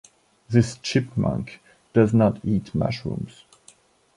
This chipmunk does not eat mushrooms.